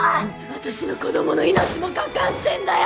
私の子供の命もかかってんだよ！